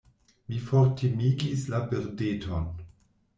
Mi fortimigis la birdeton.